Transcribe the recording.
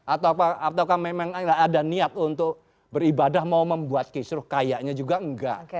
ataukah memang ada niat untuk beribadah mau membuat kisruh kayaknya juga enggak